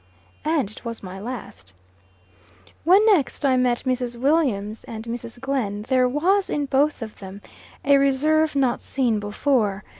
And it was my last. When next I met Mrs. Williams and Mrs. Glenn, there was, in both of them, a reserve not seen before.